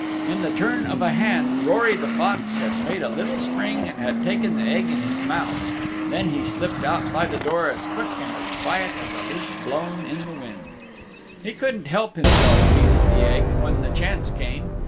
In the turn of a hand Rory the Fox had made a little spring and had taken the Egg in his mouth. Then he slipped out by the door as quick and as quiet as a leaf blown in the wind. He couldn't help himself stealing the Egg, when the chance came.